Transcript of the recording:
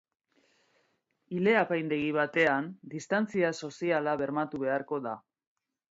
Ile-apaindegi batean, distantzia soziala bermatu beharko da.